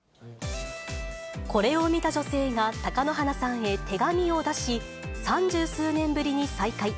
これを見た女性が貴乃花さんへ手紙を出し、三十数年ぶりに再会。